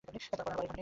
তারপর আর বাড়িঘর নাই।